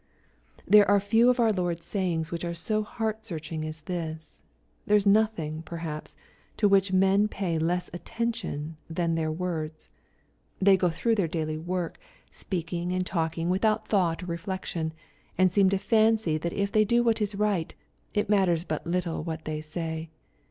There are few of our Lord's sayings which are so heart searching as this. There is nothing, perhaps, t« which most men pay less attention than their words. They go through their daily work, speaking and talking MATTHEW, CHAP. XU. 13S without thought or reflection, and seem to &ncy that if they do what is right, it matters bat little what they say.